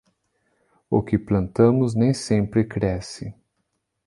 O que plantamos nem sempre cresce.